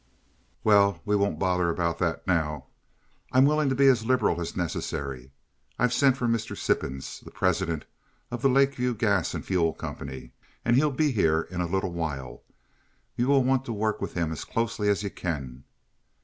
"Well, we won't bother about that now. I'm willing to be as liberal as necessary. I've sent for Mr. Sippens, the president of the Lake View Gas and Fuel Company, and he'll be here in a little while. You will want to work with him as closely as you can."